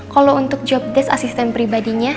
kalau untuk job desk asisten pribadinya